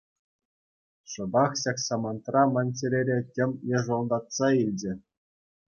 Шӑпах ҫак самантра ман чӗрере тем йӑшӑлтатса илчӗ.